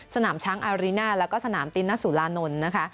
สนามช้างอารีน่าแล้วก็สนามตินหน้าศูลานนท์